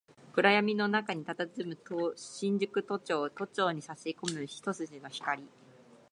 暗闇の中に佇む新宿都庁、都庁に差し込む一筋の光